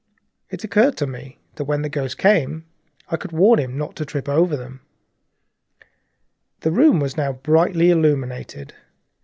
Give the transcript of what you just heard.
It occurred to me that when the ghost came I could warn him not to trip over them. The room was now quite brightly illuminated.